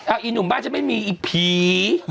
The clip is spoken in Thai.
อ้าวไอ้หนุ่มบ้านจะไม่มีไอ้ผี